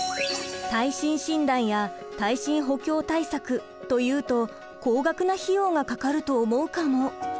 耐震診断や耐震補強対策というと高額な費用がかかると思うかも。